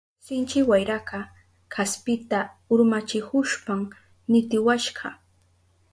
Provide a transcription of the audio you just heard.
Sinchi wayraka kaspita urmachihushpan nitiwashka.